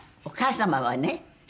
お母様はね。